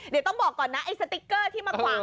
เดี๋ยวต้องบอกก่อนนะไอ้สติ๊กเกอร์ที่มาขวาง